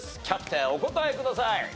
キャプテンお答えください。